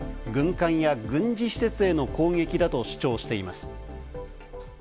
軍艦や軍事施設への攻撃だと主張しています。